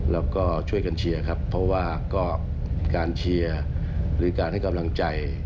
แล้วก็ช่วยกันเชียร์ครับเพราะว่าก็การเชียร์หรือการให้กำลังใจ